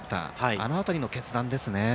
あの辺りの決断ですね。